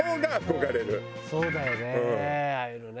そうだよね。